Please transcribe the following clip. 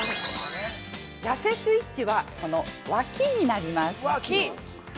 やせスイッチは、このわきになります。